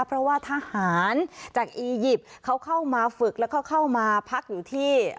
เพราะว่าทหารจากอียิปต์เขาเข้ามาฝึกแล้วก็เข้ามาพักอยู่ที่